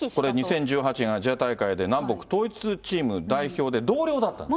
２０１８年、アジア大会で南北統一チームの代表で、同僚だったんです。